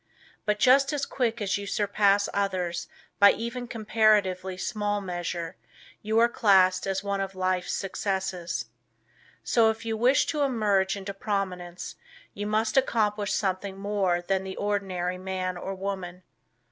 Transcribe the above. But just as quick as you surpass others by even comparatively small measure, you are classed as one of life's successes. So, if you wish to emerge into prominence, you must accomplish something more than the ordinary man or woman.